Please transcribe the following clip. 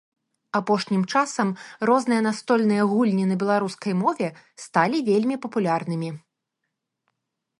Апошнім часам розныя настольныя гульні на беларускай мове сталі вельмі папулярнымі.